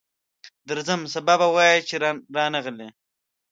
درځم، سبا به وایې چې رانغی.